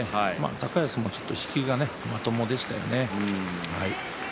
高安もちょっと引きがまともでしたね。